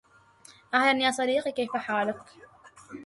أهلا يا صديقي، كيف حالك؟